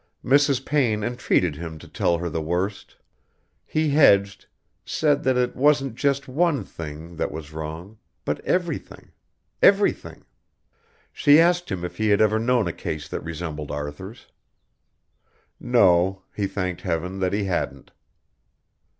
Mrs. Payne entreated him to tell her the worst. He hedged, said that it wasn't just one thing that was wrong, but everything everything. She asked him if he had ever known a case that resembled Arthur's. No, he thanked Heaven that he hadn't.